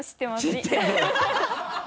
知ってる